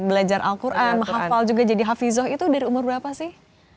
belajar al quran hafal juga jadi hafizoh itu dari umur berapa sih